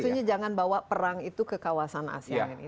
maksudnya jangan bawa perang itu ke kawasan asean ini